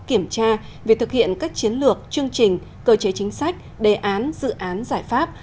kiểm tra việc thực hiện các chiến lược chương trình cơ chế chính sách đề án dự án giải pháp